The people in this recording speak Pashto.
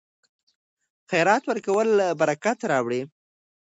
خیرات ورکول برکت راوړي.